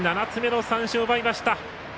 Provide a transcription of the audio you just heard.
７つ目の三振を奪いました。